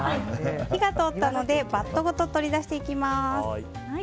火が通ったのでバットごと取り出していきます。